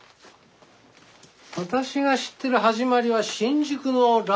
私が知ってる始まりは新宿のラーメン店です。